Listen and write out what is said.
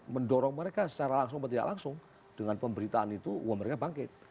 mendorong mereka secara langsung atau tidak langsung dengan pemberitaan itu wah mereka bangkit